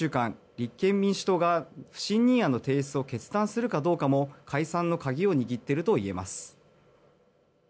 立憲民主党が不信任案の提出を決断するかどうかも解散の鍵を握っているといえます。